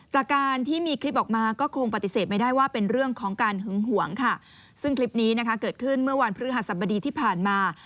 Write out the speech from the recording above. จากการที่มีคลิปออกมาก็คงปฏิเสธไม่ได้ว่าเป็นเรื่องของการหึงหวงค่ะซึ่งคลิปนี้นะคะเกิดขึ้นเมื่อวันพฤหัสบดีที่ผ่านมา